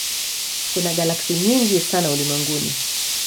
Kuna galaksi nyingi sana ulimwenguni.